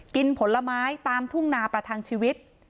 ผลไม้ตามทุ่งนาประทังชีวิต